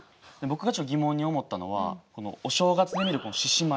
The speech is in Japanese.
僕がちょっと疑問に思ったのはお正月に見る獅子舞